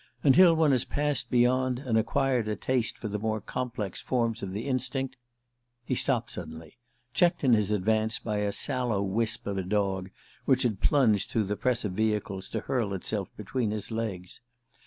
Until one has passed beyond, and acquired a taste for the more complex forms of the instinct " He stopped suddenly, checked in his advance by a sallow wisp of a dog which had plunged through the press of vehicles to hurl itself between his legs.